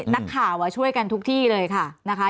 นักข่าวช่วยกันทุกที่เลยค่ะนะคะ